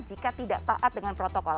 jika tidak taat dengan protokol